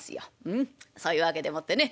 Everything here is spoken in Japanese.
うんそういう訳でもってね